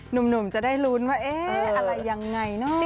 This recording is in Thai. หนุ่มจะได้ลุ้นว่าเอ๊ะอะไรยังไงเนอะ